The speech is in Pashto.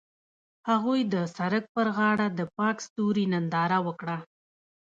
هغوی د سړک پر غاړه د پاک ستوري ننداره وکړه.